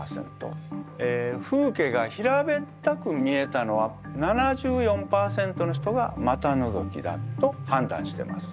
風景が平べったく見えたのは７４％の人が股のぞきだと判断してます。